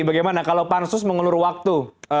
bagaimana kalau pan sus mengelur waktu